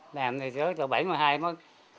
làm thì tới bảy mươi hai mới